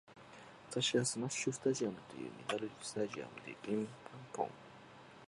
私はスマッシュスタジアムというメダルゲームが大好きです。このゲームの面白さをもっとみんなに広めたいです。